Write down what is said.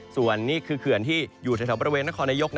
ส่วนนี่คือเขื่อนที่อยู่แถวบริเวณนครนายก